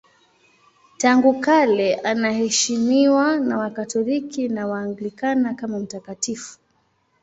Tangu kale anaheshimiwa na Wakatoliki na Waanglikana kama mtakatifu.